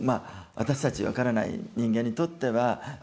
私たち分からない人間にとってはあ